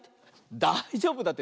だいじょうぶだって。